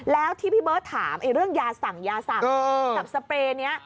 แล้วที่พี่เบิ๊ชถามเรื่องยาสั่งหลับสเปรย์เนี้ย